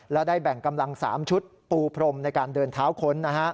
และได้แบ่งกำลัง๓ชุดปูพรมในการเดินเท้าค้น